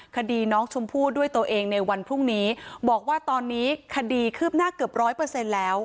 คดีน้องชมพู่ด้วยตัวเองในวันพรุ่งนี้บอกว่าตอนนี้คดีคืบหน้าเกือบร้อยเปอร์เซ็นต์แล้ว